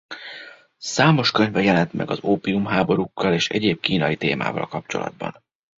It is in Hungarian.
Számos könyve jelent meg az ópiumháborúkkal és egyéb kínai témával kapcsolatban.